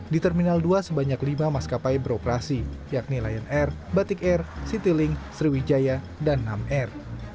di terminal dua sebanyak lima maskapai beroperasi yakni lion air batik air citylink sriwijaya dan nam air